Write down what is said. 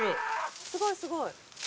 すごいすごい。